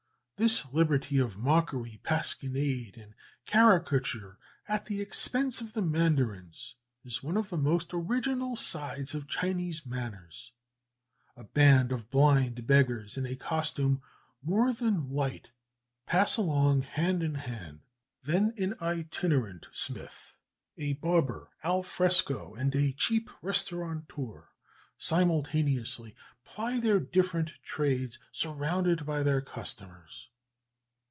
"This liberty of mockery, pasquinade, and caricature at the expense of the mandarins is one of the most original sides of Chinese manners. "A band of blind beggars, in a costume more than light, pass along, hand in hand; then an itinerant smith, a barber al fresco, and a cheap restaurateur, simultaneously ply their different trades surrounded by their customers.